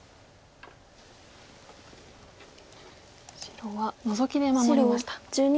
白はノゾキで守りました。